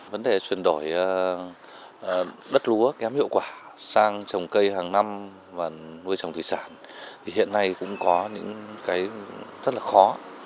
vấn đề chuyển đổi đất lúa kém hiệu quả sang trồng cây hàng năm và nuôi trồng thủy sản thì hiện nay cũng có những cái rất là khó